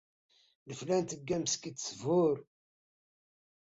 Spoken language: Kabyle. Leflantiyya meskint tbur.